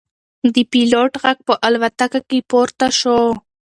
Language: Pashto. د پیلوټ غږ په الوتکه کې پورته شو.